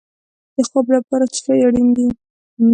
د خوب لپاره څه شی اړین دی؟